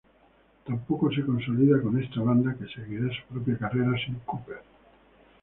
Tampoco se consolida con esta banda, que seguirá su propia carrera sin Kooper.